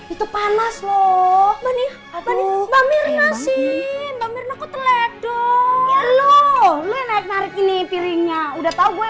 itu panas loh mbak mirna sih mbak mirna kok teledot lu lu naik naik ini piringnya udah tau gue